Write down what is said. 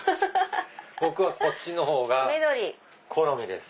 僕はこっちの方が好みです。